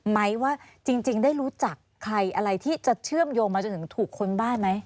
ไหมว่าจริงได้รู้จักใครอะไรที่จะเชื่อมโยงมาจนถึงถูกค้นบ้านไหม